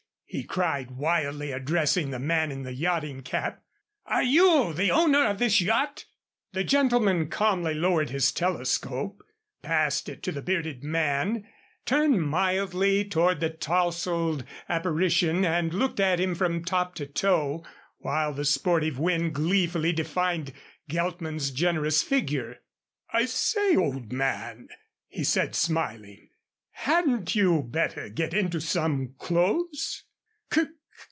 he cried, wildly addressing the man in the yachting cap. "Are you the owner of this yacht?" The gentleman calmly lowered his telescope, passed it to the bearded man, turned mildly toward the tousled apparition and looked at him from top to toe while the sportive wind gleefully defined Geltman's generous figure. "I say, old man," he said, smiling, "hadn't you better get into some clothes?"